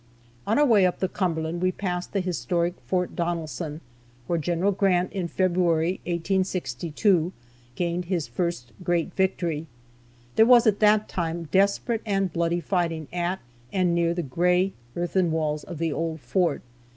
On our way up the Cumberland we passed the historic Fort Donelson, where Gen. Grant in February, 1862, gained his first great victory. There was, at that time, desperate and bloody fighting at and near the gray earthen walls of the old fort.